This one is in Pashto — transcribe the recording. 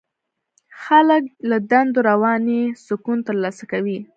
خلک له دندو رواني سکون ترلاسه کوي.